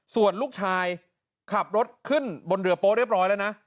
ส่วนลูกชายขับรถขึ้นบนเรือโป๊เรียบร้อยแล้วนะ